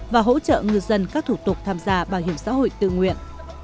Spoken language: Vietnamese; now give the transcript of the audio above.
và hỗ trợ ngư dân các thủ tục tham gia bảo hiểm xã hội tự nguyện